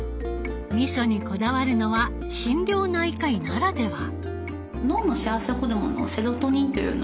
みそにこだわるのは心療内科医ならでは。